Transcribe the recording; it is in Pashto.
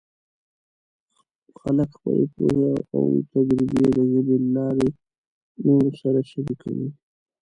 خلک خپلې پوهې او تجربې د ژبې له لارې نورو سره شریکوي.